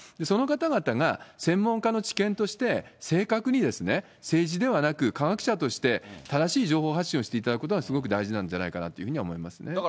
その方々が、専門家の知見として、正確に、政治ではなく、科学者として正しい情報発信をしていただくことがすごく大事なんじゃないかなというふうに思いますね。